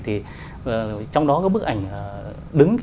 trong đó có bức ảnh đứng kia